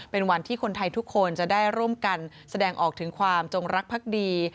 เป็นวันที่คนไทยทุกคนจะได้ร่วมกันแสดงออกถึงความจงรักภักดี